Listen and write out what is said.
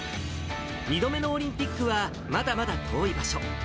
２度目のオリンピックは、まだまだ遠い場所。